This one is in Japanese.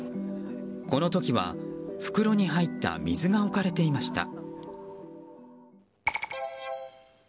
この時は袋に入った水が置かれていました。